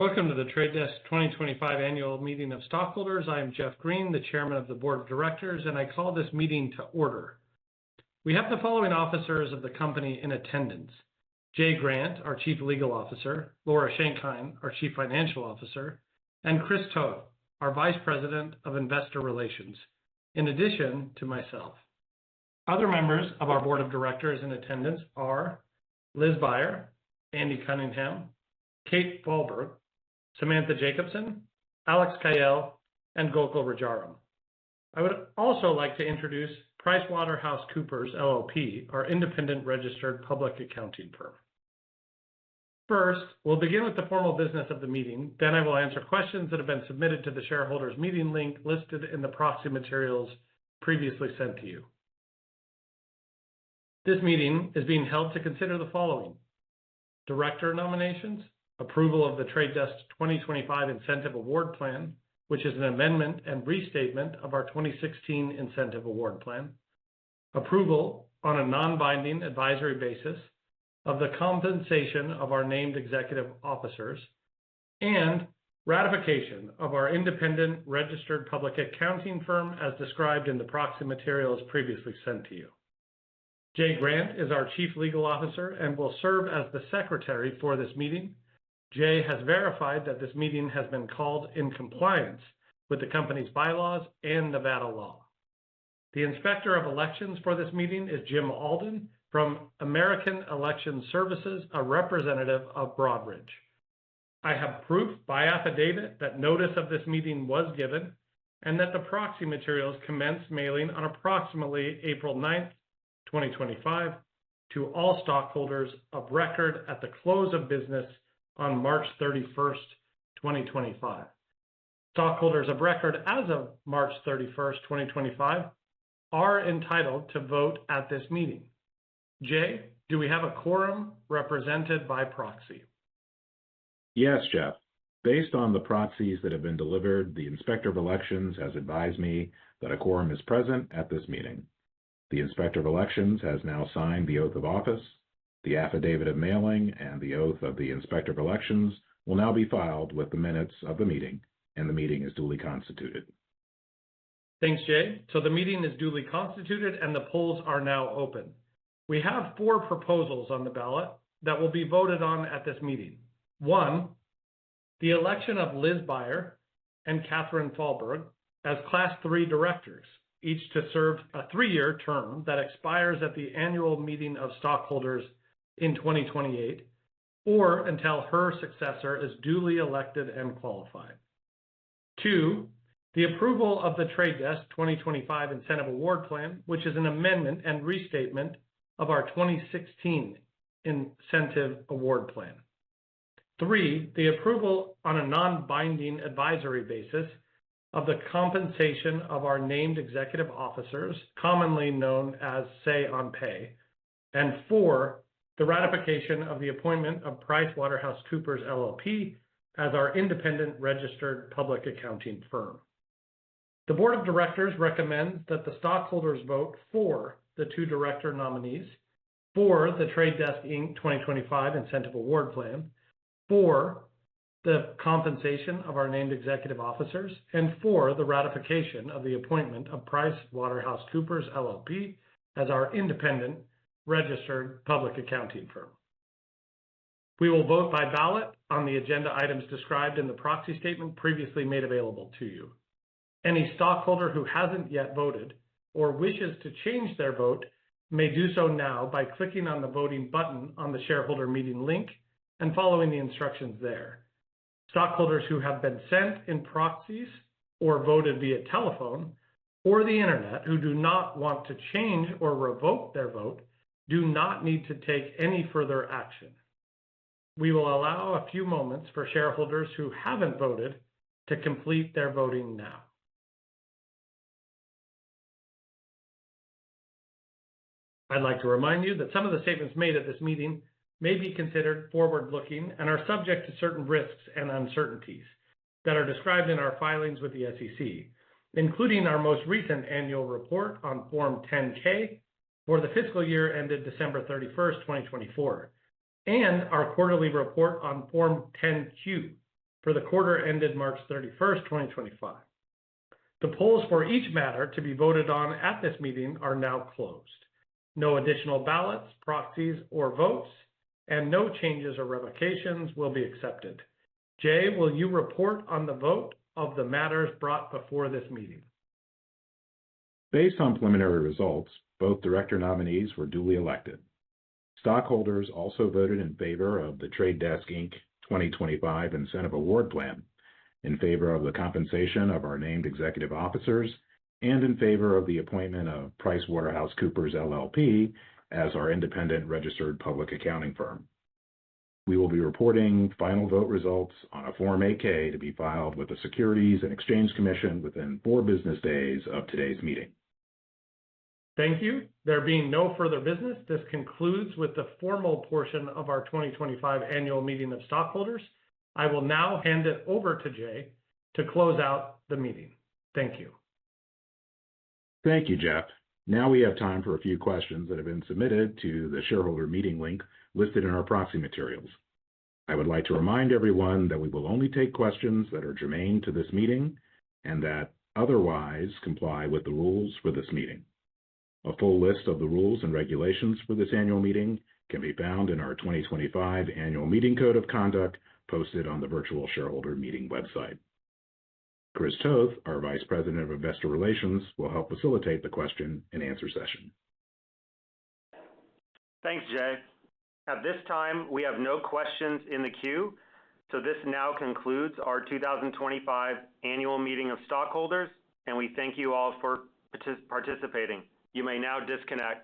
Welcome to The Trade Desk's 2025 Annual Meeting of Stockholders. I am Jeff Green, the Chairman of the Board of Directors, and I call this meeting to order. We have the following officers of the company in attendance: Jay Grant, our Chief Legal Officer; Laura Schenkein, our Chief Financial Officer; and Chris Toth, our Vice President of Investor Relations, in addition to myself. Other members of our Board of Directors in attendance are Liz Beyer, Andy Cunningham, Kathleen Fahlberg, Samantha Jacobson, Alex Cayel, and Gokul Rajaram. I would also like to introduce PricewaterhouseCoopers LLP, our independent registered public accounting firm. First, we'll begin with the formal business of the meeting. Then I will answer questions that have been submitted to the shareholders' meeting link listed in the proxy materials previously sent to you. This meeting is being held to consider the following: director nominations, approval of The Trade Desk 2025 Incentive Award Plan, which is an amendment and restatement of our 2016 Incentive Award Plan, approval on a non-binding advisory basis of the compensation of our named executive officers, and ratification of our independent registered public accounting firm as described in the proxy materials previously sent to you. Jay Grant is our Chief Legal Officer and will serve as the secretary for this meeting. Jay has verified that this meeting has been called in compliance with the company's by-laws and Nevada law. The inspector of elections for this meeting is Jim Alden from American Election Services, a representative of Broadridge. I have proof by affidavit that notice of this meeting was given and that the proxy materials commenced mailing on approximately April 9th, 2025, to all stockholders of record at the close of business on March 31st, 2025. Stockholders of record as of March 31st, 2025, are entitled to vote at this meeting. Jay, do we have a quorum represented by proxy? Yes, Jeff. Based on the proxies that have been delivered, the inspector of elections has advised me that a quorum is present at this meeting. The inspector of elections has now signed the oath of office. The affidavit of mailing and the oath of the inspector of elections will now be filed with the minutes of the meeting, and the meeting is duly constituted. Thanks, Jay. The meeting is duly constituted, and the polls are now open. We have four proposals on the ballot that will be voted on at this meeting. One, the election of Liz Beyer and Kathleen Fahlberg as Class 3 directors, each to serve a three-year term that expires at the annual meeting of stockholders in 2028 or until her successor is duly elected and qualified. Two, the approval of the Trade Desk 2025 Incentive Award Plan, which is an amendment and restatement of our 2016 Incentive Award Plan. Three, the approval on a non-binding advisory basis of the compensation of our named executive officers, commonly known as say-on-pay. Four, the ratification of the appointment of PricewaterhouseCoopers LLP as our independent registered public accounting firm. The Board of Directors recommends that the stockholders vote for the two director nominees for the Trade Desk. 2025 Incentive Award Plan, for the compensation of our named executive officers, and for the ratification of the appointment of PricewaterhouseCoopers LLP as our independent registered public accounting firm. We will vote by ballot on the agenda items described in the proxy statement previously made available to you. Any stockholder who has not yet voted or wishes to change their vote may do so now by clicking on the voting button on the shareholder meeting link and following the instructions there. Stockholders who have sent in proxies or voted via telephone or the internet who do not want to change or revoke their vote do not need to take any further action. We will allow a few moments for shareholders who have not voted to complete their voting now. I'd like to remind you that some of the statements made at this meeting may be considered forward-looking and are subject to certain risks and uncertainties that are described in our filings with the SEC, including our most recent annual report on Form 10-K for the fiscal year ended December 31st, 2024, and our quarterly report on Form 10-Q for the quarter ended March 31st, 2025. The polls for each matter to be voted on at this meeting are now closed. No additional ballots, proxies, or votes, and no changes or revocations will be accepted. Jay, will you report on the vote of the matters brought before this meeting? Based on preliminary results, both director nominees were duly elected. Stockholders also voted in favor of The Trade Desk 2025 Incentive Award Plan, in favor of the compensation of our named executive officers, and in favor of the appointment of PricewaterhouseCoopers LLP as our independent registered public accounting firm. We will be reporting final vote results on a Form 8-K to be filed with the Securities and Exchange Commission within four business days of today's meeting. Thank you. There being no further business, this concludes the formal portion of our 2025 Annual Meeting of Stockholders. I will now hand it over to Jay to close out the meeting. Thank you. Thank you, Jeff. Now we have time for a few questions that have been submitted to the shareholder meeting link listed in our proxy materials. I would like to remind everyone that we will only take questions that are germane to this meeting and that otherwise comply with the rules for this meeting. A full list of the rules and regulations for this annual meeting can be found in our 2025 Annual Meeting Code of Conduct posted on the virtual shareholder meeting website. Chris Toth, our Vice President of Investor Relations, will help facilitate the question and answer session. Thanks, Jay. At this time, we have no questions in the queue, so this now concludes our 2025 Annual Meeting of Stockholders, and we thank you all for participating. You may now disconnect.